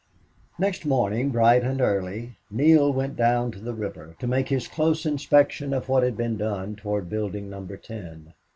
Next morning, bright and early, Neale went down to the river to make his close inspection of what had been done toward building Number Ten.